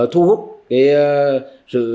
thu hút sự